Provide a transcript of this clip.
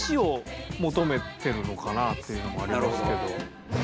のかなあっていうのもありますけど。